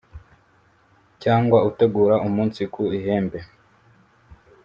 cyangwa utegure umunsi ku ihembe.